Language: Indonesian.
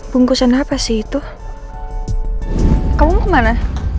bungkusan apa sih itu kamu kemana